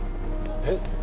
えっ？